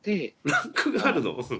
ランクがあるの？